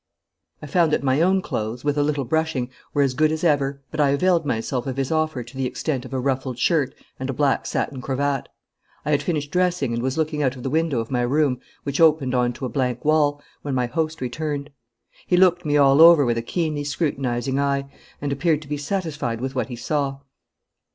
I found that my own clothes, with a little brushing, were as good as ever, but I availed myself of his offer to the extent of a ruffled shirt and a black satin cravat. I had finished dressing and was looking out of the window of my room, which opened on to a blank wall, when my host returned. He looked me all over with a keenly scrutinising eye, and appeared to be satisfied with what he saw.